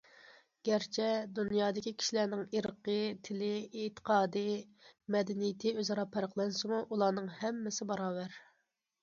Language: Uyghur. گەرچە دۇنيادىكى كىشىلەرنىڭ ئىرقى، تىلى، ئېتىقادى، مەدەنىيىتى ئۆزئارا پەرقلەنسىمۇ، ئۇلارنىڭ ھەممىسى باراۋەر.